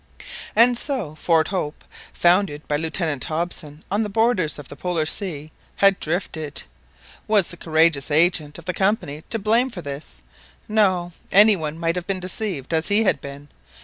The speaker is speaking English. And so Fort Hope, founded by Lieutenant Hobson on the borders of the Polar Sea, had drifted! Was the courageous agent of the Company to blame for this? No; any one might have been deceived as he had been.